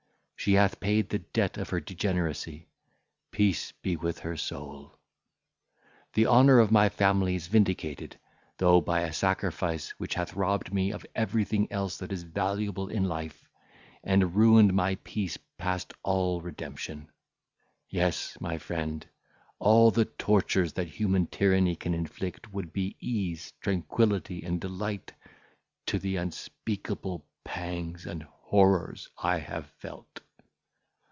She hath paid the debt of her degeneracy; peace be with her soul! The honour of my family is vindicated; though by a sacrifice which hath robbed me of everything else that is valuable in life, and ruined my peace past all redemption. Yes, my friend, all the tortures that human tyranny can inflict would be ease, tranquillity, and delight, to the unspeakable pangs and horrors I have felt.